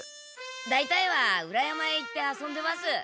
だいたいは裏山へ行って遊んでます。